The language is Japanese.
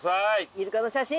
イルカの写真。